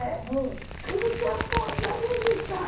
エビちゃんも残念でした。